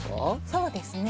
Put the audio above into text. そうですね。